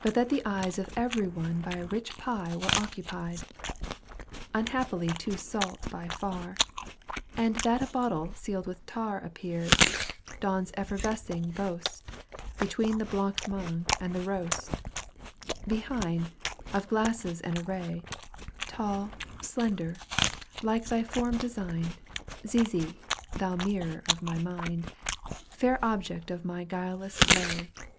But that the eyes of every one By a rich pie were occupied —' Unhappily too salt by far ; And that a bottle sealed with tar Appeared, Don's effervescing boast,^^ Between the blanc mange and the roast ; Behind, of glasses an array, Tall, slender, like thy form designed, Zizi, thou mirror of my mind. Fair object of my guileless lay.